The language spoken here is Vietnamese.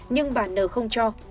nhưng bà n không cho